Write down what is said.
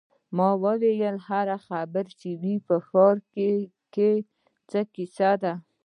ما وویل: هر خبر چې وي، په ښار کې څه کیسې دي.